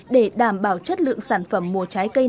để đảm bảo chất lượng sản phẩm mùa trái cây